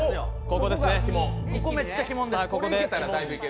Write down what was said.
ここめっちゃ鬼門です。